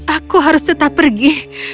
aku harus tetap pergi